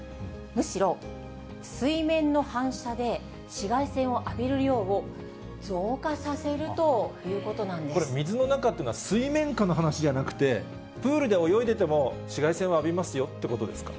むしろ水面の反射で紫外線を浴びる量を増加させるということなんこれ、水の中っていうのは水面下の話じゃなくて、プールで泳いでても紫外線浴びますよってことですか。